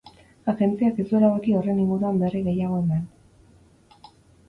Agentziak ez du erabaki horren inguruan berri gehiago eman.